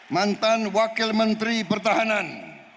mantan wakil menteri pertahanan